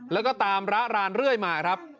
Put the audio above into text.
แล้วก็ตามระรานเรื่อยมาครับ